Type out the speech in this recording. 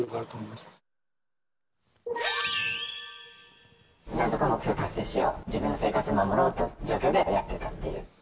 まなんとか目標を達成しよう、自分の生活を守ろうという状況でやっていたという。